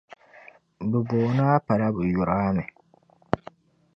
'Bɛ booni a' pa la 'bɛ yur' a mi'.